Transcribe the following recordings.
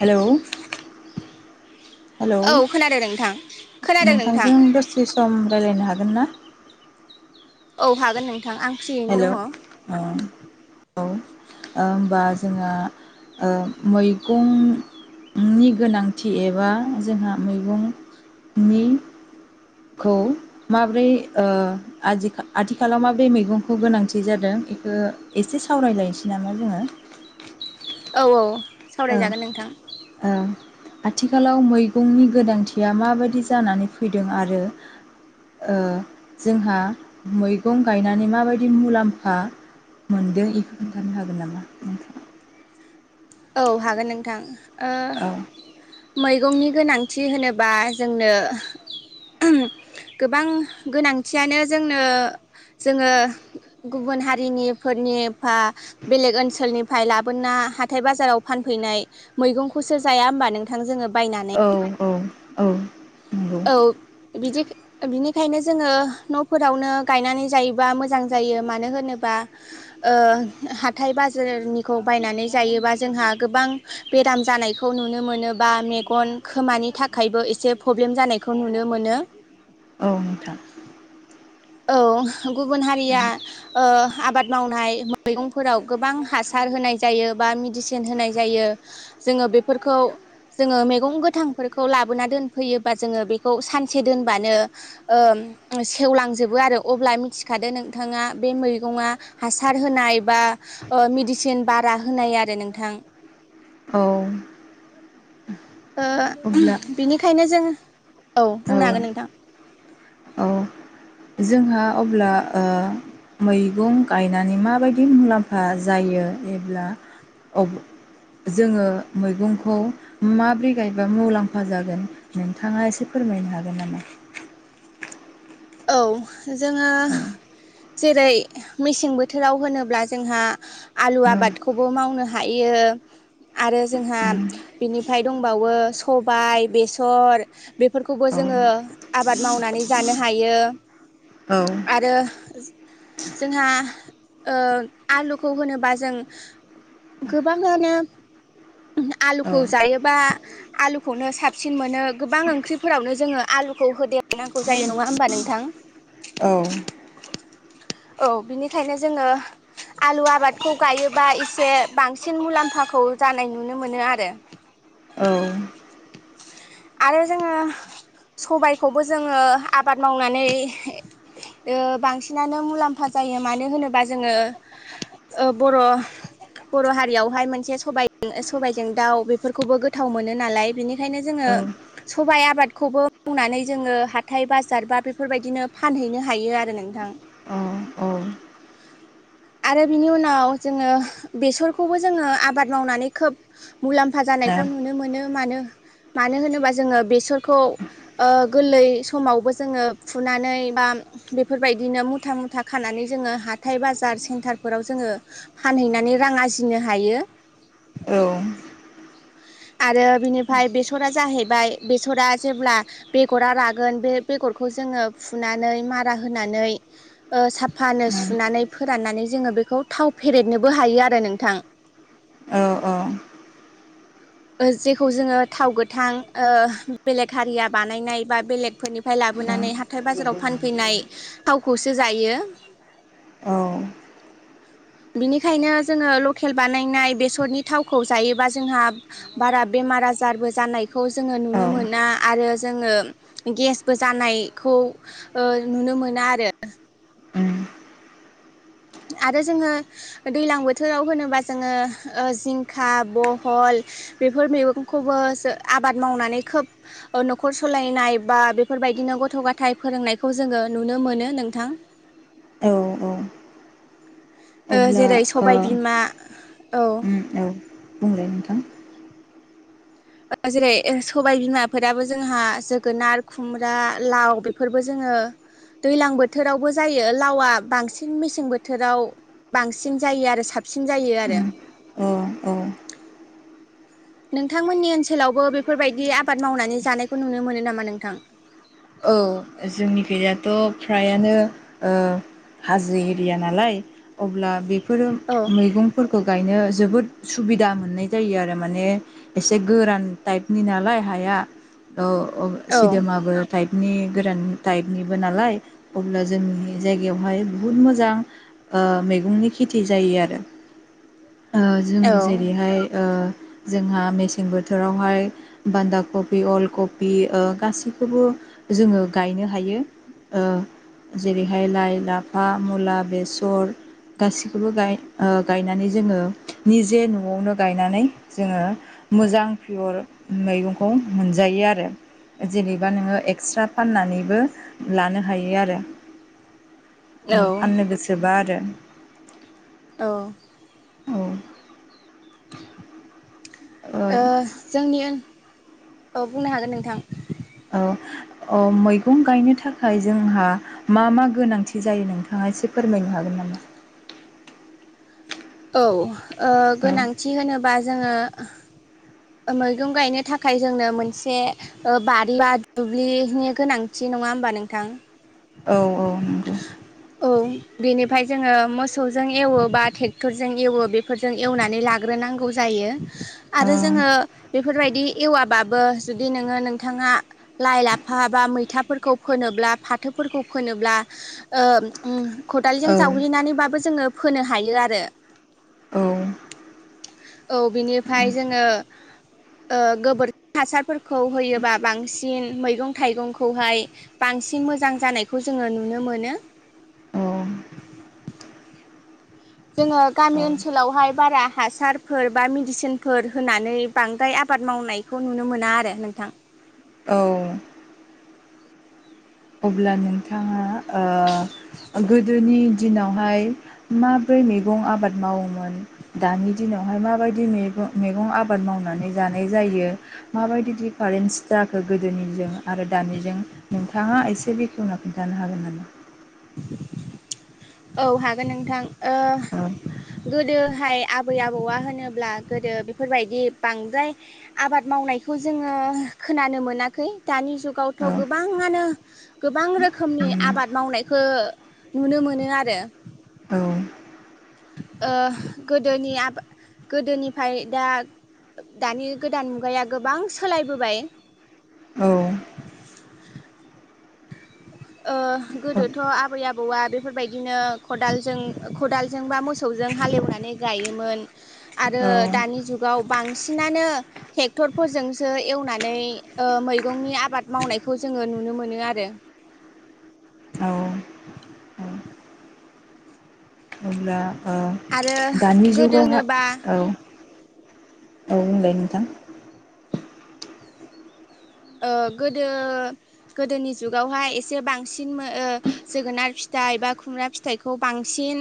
हेल' hello औ खोनादों नोंथां खोनादों नोंथां नोंथांजों दसे सम रायज्लायनो हागोन हागोन ना औ हागोन नों हेल', अ ओ होमबा जोंङो मैगं नि गोनांथि एबा जोंहा मैगंनि खौ माब्रै ओ आथाखा आथिखालाव माब्रै मैगंखौ गोनांथि जादों बेखौ एसे सावरायलायनोसै नामा जोङो औ ओं सावरायजागोन नोंथां ओं आथिखालाव मैगंनि गोनांथिया माबायदि जानानै फैदों आरो ओ जोंहा मैगं गायनानै माबायदि मुलाम्फा मोनदों एखौ खोन्थानो हागोन नामा नोंथां? औ हागोन नोंथां। ओ औ मैगंनि गोनांथि होनोबा जोंनो गोबां गोनांथियानो जोंनो जोङो गुबुन हारिनिफोरनि फा बेलेग ओनसोलनिफ्राय लाबोना हा हाथाय बाजाराव फानफैनाय मैगंखौसो जाया होमबा नोंथां जोङो बायनानै औ औ औ नंगौ औ बिदि बिनि खायनो जोङो न'फोरावनो गायनानै जायोबा मोजां जायो मानो होनोबा ओ ओ हाथाय बाजारनिखौ बायनानै जायोबा जोंहा गोबां बेराम जानायखौ नुनो मोनो मोनोबा मेगन खोमानि थाखायबो एसे प्रब्लेम जानायखौ नुनो मोनो औ नोंथां औ गुबुन हारिया ओ आबाद मावनाय मैगंफोराव गोबां हासार होनाय जायो बा मेडिसिन होनाय जायो जोङो बेफोरखौ जोङो मैगं गोथांफोरखौ लाबोना दोनफैयोबा जोङो बेखौ सानसे दोनबानो ओ सेवलां जोबो बो आरो अब्ला मिथिखादो नोंथाङा बे मैगंआ हार होनाय बा ओ मदिसिन सिन बारा होनाय आरो नोंथां औ ओ अब्ला बिनिखायनो जों औ औ बुंनो हागोन नोंथां औ जोंहा अब्ला ओ मैगं गायनानै माबायदि मुलाम्फा जायो एब्ला अब जोङो मैगंखौ माबोरै गायबा मुलाम्फा जागोन नोंथाङा एसे फोर फोरमायनो हागोन नामा? औ जोङो जेरै मेसें बोथोराव होनोब्ला जोंहा आलु औ आबादखौबो मावनो हायो यो आरो जोंहा बिनिफ्राय दंबावो सबाय बेसर बेफोरखौबो औ उम जोङो आबाद मावनानै जानो हायो औ औ आरो जोंहा ओ आलुखौ होनोबा जों गोबांङानो औ आलुखौ जायोबा आलुखौनो साबसिन मोनो गोबां ओंख्रिफोरावनो जोङो आ लुखौ होदेरनांगौ जायो नङा होमबा नोंथां औ औ बिनिखायनो जोङो आलु आबादखौ गायोबा एसे बांसिन मुलाम्फाखौ जानाय नु नुनो मोनो आरो औ आरो जोङो सबायखौबो जोङो आबाद मावनानै ओ बांसिनानो मुलाम्फा जायो मानो होनोबा जोङो ओ बर' बर' हारियावहाय मोनसे सबाय सबायजों दाउ बेफोरखौबो गोथाव मोनो नालाय बिनिखायनो औ जोङो। सबाइ आबादखौबो बनानै जोङो हाथाय बाजार बा बेफोरबायदिनो फानहैनो हायो आरो नोंथां। औ आरो बिनि उनाव जोङो बेसरखौबो जोङो आबाद मावनानै खोब मुलाम्फा जानायखौ नुनो मोनो मानो मानो होनोबा जोङो बेसरखौ ओ गोरलै समावबो जोङो फुनानै बा बेफोरबायदिनो मुथा मुथा खानानै जोंङो हाथाइ बाजार सेन्टार फोराव जोङो फानहैनानै रां आरजिनो हायो। औ आरो बिनिफाय बेसरा जाहैबाय बेसरा जेब्ला बेगरा रागोन बे बेगर बेगरखौ जोङो फुनानै मारा होनानै ओ साफा सुनानै फोराननानै जोंङो बेखौ थाव फेरेदनोबो हायो आरो नोंथां। औ औ ओ जेखौ जोङो थाव गोथां ओ बेलेग हारिया बानायनाय बा बेलेगफोरनिफ्राय ला लाबोनानै हाथाय बाजाराव फानफैनाय थावखौसो जायो। औ। बिनिखायनो जोङो लकेल बानायनाय बेसरनि थावखौ जायोबा जोंहा बारा बेमार आजारबो जानायखौ जोङो नुनो मोना आरो जोङो गेसबो जानायखौ ओ नुनो मोना आरो। उ। आरो जोङो दैलां बोथोराव होनोबा जोङो जिंखा बहल बेफोर मैगंखौबो आबाद मावनानै खोब न'खर सलायनाय बा बेफोरबाय बे बायदिनो गथ' गथाय फोरोंनायखौ जोङो नुनो मोनो नोंथां। औ औ। ओ अब्ला जेरै ओ सबाय बिमा औ उ औ बुंलाय नोंथां। जेरै सबाय बिमाफोराबो जोंहा जोगोनार खुमब्रा लाव बेफोरबो जों ओ दैज्लां बोथोरावबो जायो लावा बांसिन मेसें बोथोराव बांसिन जायो आरो साबसिन जायो आरो। उम औ। नोंथांमोननि ओनसोलावबो बेफोरबायदि आबाद मावनानै जानायखौ नुनो मोनो नामा नोंथां? औ जोंनि गैयाथ' फ्रायानो ओ हाजो एरिया नालाय अब्ला बेफोरो औ मैगंफोरखौ गायनो जोबोद सुबिदा मोननाय जायो आरो माने एसे गोरान टाइपनि नालाय हाया। औ औ सिदेमाबो नि गोरकन टाइपनिबो नालाय अब्ला जोंनि जायगायावहाय बुहुत मोजां ओ मैगंनि खेथि जायो आरो जों औ जेरैहाय ओ जोंहा मेसें बोथोरावहाय बान्दा कबि अल कबि गासैखौबो जोङो गायनो हायो ओ। जेरैहाय लाइ लाफा मुला बेसर। गासैखौबो गायनानै जोङो निजे न'आवनो गायनानै जोङो मोजां पियर मैगंखौ मोनजायो आरो जेनेबा नोङो एक्स्रा फाननानैबो लानो हायो आरो। औ नों फाननो गोसोबा आरो औ। औ। ओ जोंनि ओ बुंनो हागोन नोंथां। औ औ मैगं गायनो थाखाय जोंहा मा मा गोनांथि जायो नोंथाङा ऐसे फोरमायनो हागोन नामा? औ ओ औ गोनांथि होनोबा जोङो [inaudible] मैगं गायनो थाखाय जोंनो मोनसे ओ बारि बा दुब्लिनि गोनांथि नं नङा होमबा नोंथां? औ औ नंगौ। औ बेनिफ्राय जोङो मोसौजों एवो बा ट्रेक टरफोरजों एवो बेफोरजों एवनानै लाग्रोनांगौ जायो औ आरो जोङो बेफोरबायदि बेफोर बादि एवाबाबो जुदि नोङो नोंथाङा लाइ लाफा बा मैथाफोर खौ फोनोब्ला फाथोफोरखौ फोनोब्ला ओ ओम खदालजों औ जावग्लिनानैबाबो जोङो फोनो हायो आरो। औ। औ बिनिफ्राय जोङो ओ गोबोरखि हासारफोरखौ खौ होयोबा बांसिन मैगं थाइगंखौहाय बांसिन मोजां जानायखौ जोङो नुनो मोनो। औ। जोङो गामि औ ओनसोलावहाय बारा हासारफोर बा मेडिसिनफोर होनानै बांद्राय आबाद मावनायखौ नुनो मोना आरो नोंथां औ अब्ला नोंथाङा ओ गोदोनि दिनावहाय माब्रै मैगं आबाद मावोमोन दानि दिनाव हाय माबायदि मैगं आबाद मावनाय जायो माबायदि दिफारेनस जाखो गोदोनिजों आरो दानिजों नोंथाङा एसे बेखेवना खिन्थानो हागोन नामा औ हागोन नोंथां ओ औ गोदो दोहाय आबै आबौआ होनोब्ला गोदो बेफोरबायदि बांद्राय आबाद मावनायखौ जोङो खोनानो मोनाखै दानि औ जुगावथ' गोबाङानो गोबां रोखोमनि आबाद मावनायखौ नुनो मोनो आरो औ ओ गोदोनि आ गोदोनिफ्राय दा दानि गोदान मुगाया गोबां सोलायबोबाय औ ओ गोदोथ' आबै आबौआ बेफोरबायदिनो खालजों खदालजों बा मोसौजों जों हालएवनानै गायोमोन आरो औ दानि जुगाव बांसिनानो ट्रेक्टर फोरजोंसो एवनानै मैगंनि आबाद मावनायखौ जोङो नुनो मोनो आरो औ औ अब्ला आरो दानि गोदो जुगावहाय होनोबा औ औ दे नोंथां ओ गोदो गोदोनि जुगावहाय एसे बांसिन जोगोनार फि फिथाइ बा खुमब्रा फिथाइखौ बांसिन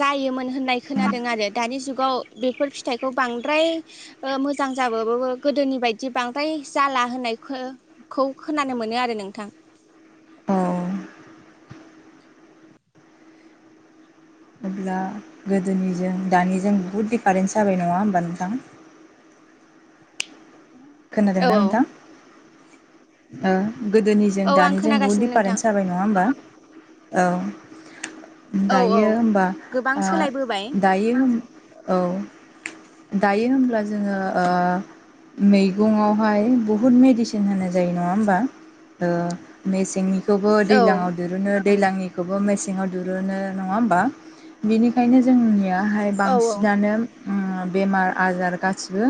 जायोमोन होननाय खोनादों आरो दानि जुगाव बे बेफोर फिथाइखौ बांद्राय मोजां जाबो गोदोनि बायदि बांद्राय जाला होनाय खौ खोनानो मोनो आरो नोंथां औ अब्ला अब्ला गोदोनिजों दानिजों बुहुत दिडिफारेन्स जाबाय नङा होमबा नोंथां औ खोनादोंना नोंथां ओ गोदोनिजों औ आं दानिजों बहुद खोनागासिनो नोंथां दिफारेन्स जाबाय नङा होमबा औ औ औ दायो होमबा गोबां ओ सोलायबोबाय दायो होम औ दायो होनब्ला जोङो ओ मैगंआवहाय बहुत मेडिसिन होनाय जायो नङा होमबा ओ मेसेंनिखौबो औ दैज्लाङाव दिरुनो दैज्लांनि खौबो मेसेङाव दुरुो नङा होमबा बेनिखायनो जोंनिया हाय औ बांसिनानो उम बेमार आजार गासिबो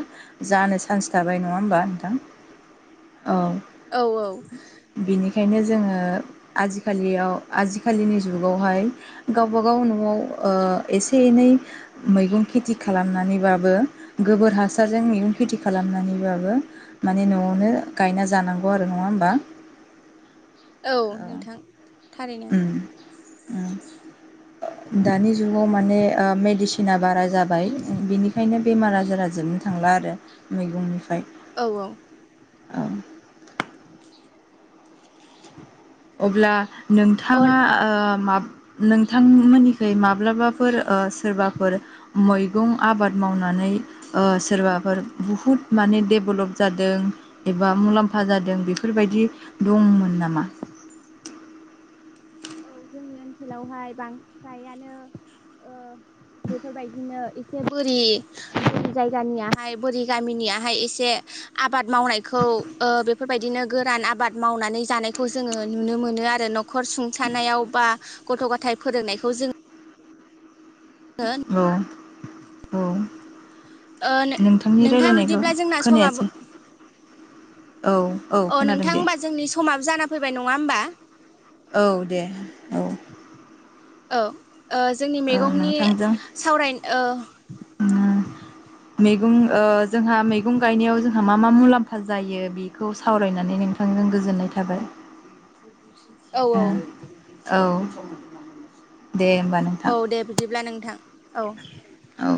जानो चान्स थाबाय नङा होमबा नोंथां औ औ ओंखायनो जोङो आजिखालियाव आजिखालिनि जुगावहाय गावबागाव न'आव ओ एसे एनै मैगं खेथि खालामनानैबाबो गोबोर हासारजों मैगं खेथि खालामनानैबाबो माने न'आवनो गायना जानांगौ बौ आरो नङा होमबा औ नोंथां थारैनो उम उम दानि जुगाव माने मेडिसिना बारा जाबाय हाय बिनिखायनो बेमार आजारा जोबनो थांला आरो मैगंनिफ्राय औ औ औ अब्ला अ नोंथाङा ओ माब नोंथांमोननिखाय माब्लाबाफोर ओ सोरबाफोर मैगं आबाद मावनानै सोरबाफोर बुहुत माने देभलप जादों एबा मुलाम्फा जादों जों बेफोरबायदि दंमोन नामा औ जोंनि ओनसोलावहाय बां फ्रायानो ओ बेफोरबायदिनो एसे बोरि बोरि जायगानियाहाय बोरि गामिनियाहाय एसे आ आबाद मावनायखौ ओ बेफोरबायदिनो गोरान आबाद मावनानै जानायखौ जोङो नुनो मोनो आरो न'खर सुं थानायाव बा गथ' गथायाइ फोरोंनायखौ जोंङो औ औ ओ नोंथांनि नोंथां रायलायनायखौ बिदिब्ला जोंना खोनायासै समाबो औ औ अ खोनादों नोंथां दे होमबा जोंनि समाबो जाना फैबाय नङा होमबा औ दे औ औ ओ जोंनि ओ मैगंनि नोंथांजों सावराय ओ उम मैगं ओ जोंहा मैगं गायनायाव जोंहा मा मा मुलाम्फा जायो बेखौ सावरायनानै नोंथां गोजोननाय थाबाय औ औ ओह औ दे होमबा औ नोंथां दे बिदिब्ला नोंथां औ औ